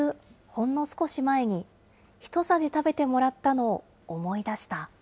ほんの少し前に、ひとさじ食べてもらったのを思い出した。